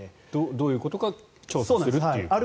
どういうことか調査するということですね。